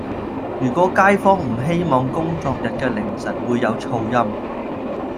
如果街坊唔希望工作日嘅凌晨會有噪音